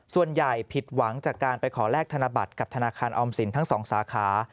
ส่วนใหญ่ผิดหวังจากการไปขอแลกธนบัตรกับธนาคารออมสินทั้งสองสาขา